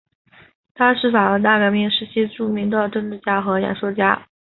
他是法国大革命时期著名的政治家和演说家。